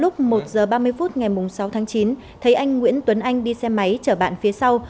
lúc một h ba mươi phút ngày sáu tháng chín thấy anh nguyễn tuấn anh đi xe máy chở bạn phía sau